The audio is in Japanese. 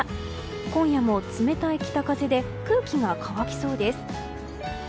今夜も冷たい北風で空気が乾きそうです。